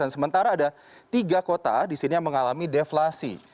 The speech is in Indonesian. sementara ada tiga kota di sini yang mengalami deflasi